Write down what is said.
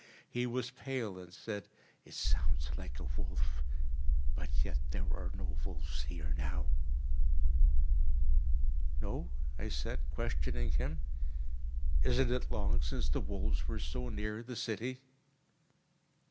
He was pale, and said, "It sounds like a wolf—but yet there are no wolves here now." "No?" I said, questioning him; "isn't it long since the wolves were so near the city?"